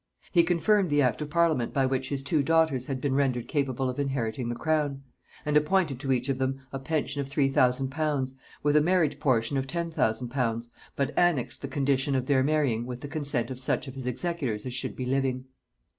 He confirmed the act of parliament by which his two daughters had been rendered capable of inheriting the crown, and appointed to each of them a pension of three thousand pounds, with a marriage portion of ten thousand pounds, but annexed the condition of their marrying with the consent of such of his executors as should be living.